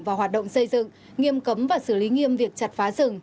và hoạt động xây dựng nghiêm cấm và xử lý nghiêm việc chặt phá rừng